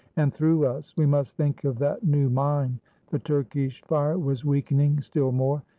"And through us. We must think of that new mine." The Turkish fire was weakening still more.